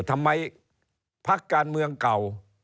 ทำไมพักการเมืองเก่า